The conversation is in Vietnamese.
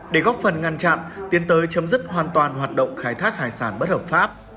để góp phần ngăn chặn tiến tới chấm dứt hoàn toàn hoạt động khai thác hải sản bất hợp pháp